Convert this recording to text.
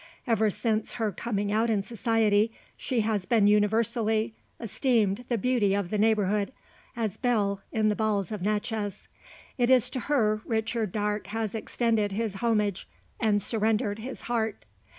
Ever since her coming out in society, she has been universally esteemed the beauty of the neighbourhood as belle in the balls of Natchez. It is to her Richard Darke has extended his homage, and surrendered his heart.